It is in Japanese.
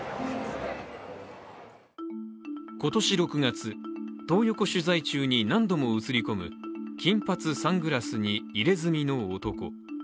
今年６月、トー横取材中に何度も映り込む金髪、サングラスに入れ墨の男。